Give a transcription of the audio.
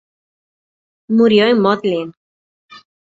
Murió en Mödling.